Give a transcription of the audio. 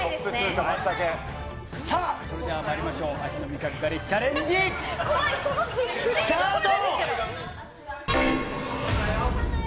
さあ、それではまいりましょう、秋の味覚狩りチャレンジ、スタート。